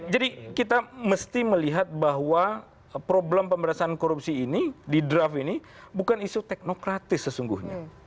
jadi kita mesti melihat bahwa problem pemberasaan korupsi ini di draft ini bukan isu teknokratis sesungguhnya